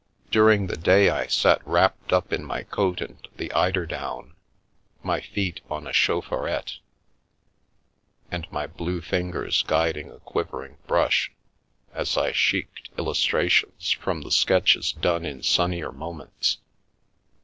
During the day I sat wrapped up in my coat and the eiderdown, my feet on a chaufferette, and my blue fingers guiding a quivering brush, as I " sheeked " illustrations from the sketches done in sunnier moments.